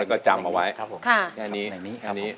อันนี้